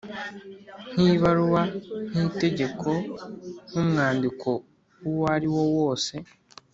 nk‟ibaruwa, nk‟itegeko, nk‟umwandiko uwo ari wo wose